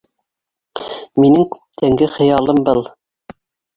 Минең күптәнге хыялым был